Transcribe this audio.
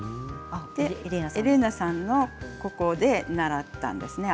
エレーナさんのアパートで習ったんですね。